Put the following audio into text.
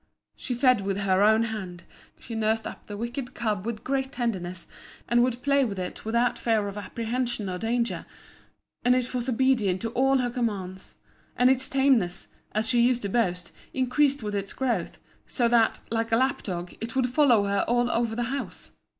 She fed it with her own hand: she nursed up the wicked cub with great tenderness; and would play with it without fear or apprehension of danger: and it was obedient to all her commands: and its tameness, as she used to boast, increased with its growth; so that, like a lap dog, it would follow her all over the house.